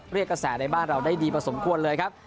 เรียกกระแสในบ้านเราได้ดีพอสมควรเลยครับ